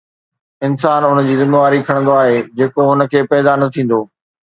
انسان ان جي ذميواري کڻندو آهي جيڪو هن کي پيدا نه ٿيندو